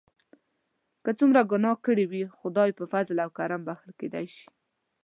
که څومره ګناه کړي وي خدای په فضل او کرم بښل کیدای شي.